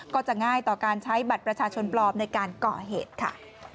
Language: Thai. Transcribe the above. ก็จะง่ายต่อการใช้บัตรประชาชนปลอมในการก่อเหตุค่ะ